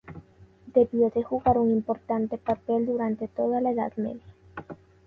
Debió de jugar un importante papel durante toda la Edad Media.